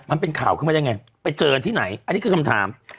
มันเป็นข่าวขึ้นมาได้ไงไปเจอที่ไหนอันนี้คือคำถาม